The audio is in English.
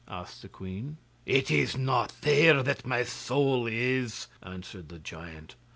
asked the queen. 'It is not there that my soul is,' answered the giant.